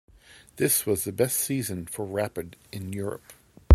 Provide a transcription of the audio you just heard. This was the best season for Rapid in Europe.